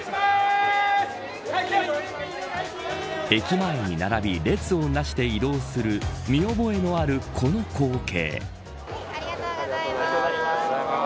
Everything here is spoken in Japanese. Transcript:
駅前に並び列をなして移動する見覚えのあるこの光景。